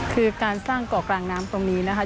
คือการสร้างเกาะกลางน้ำตรงนี้นะคะ